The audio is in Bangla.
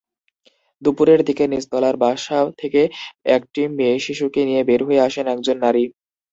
দুপুরের দিকে নিচতলার বাসা থেকে একটি মেয়েশিশুকে নিয়ে বের হয়ে আসেন একজন নারী।